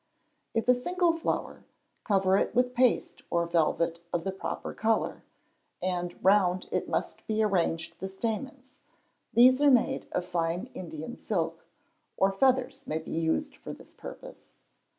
If a single flower, cover it with paste or velvet of the proper colour, and round it must be arranged the stamens; these are made of fine Indian silk, or feathers may be used for this purpose.